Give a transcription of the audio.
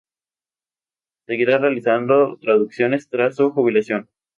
Seguirá realizando traducciones tras su jubilación.